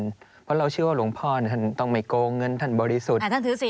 เพราะเราเชื่อว่าหลวงพ่อท่านต้องไม่โกงเงินท่านบริสุทธิ์